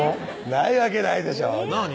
ないわけないでしょう何？